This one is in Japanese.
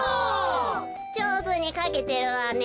じょうずにかけてるわね。